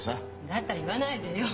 だったら言わないでよ。